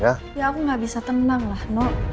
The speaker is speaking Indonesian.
ya aku gak bisa tenang lah no